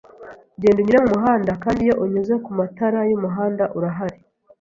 Genda unyure mumuhanda, kandi iyo unyuze kumatara yumuhanda urahari.